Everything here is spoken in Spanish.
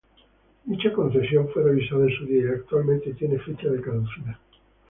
Dicha concesión fue revisada en su dia y actualmente tiene fecha de caducidad.